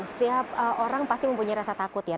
setiap orang pasti mempunyai rasa takut ya